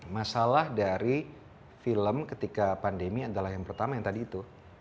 masalah dari film ketika pandemi adalah yang pertama yang tadi itu